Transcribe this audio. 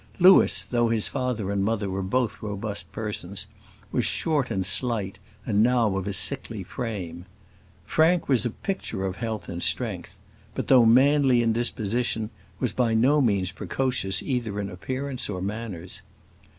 Louis, though his father and mother were both robust persons, was short and slight, and now of a sickly frame. Frank was a picture of health and strength; but, though manly in disposition, was by no means precocious either in appearance or manners.